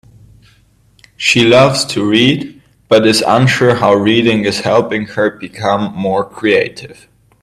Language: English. She loves to read, but is unsure how reading is helping her become more creative.